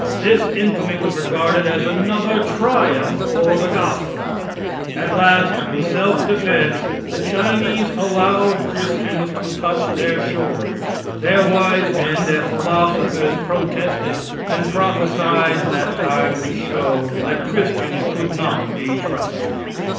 This infamy was regarded as another triumph for the gospel. At last, in self defense, the Chinese allowed Christians to touch their shores. Their wise men, their philosophers protested, and prophesied that time would show that Christians could not be trusted.